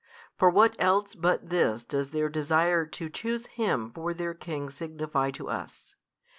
For what else but this does their desire to choose Him for their King signify to us?